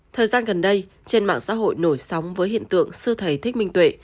thời gian gần đây trên mạng xã hội nổi sóng với hiện tượng sư thầy thích minh tuệ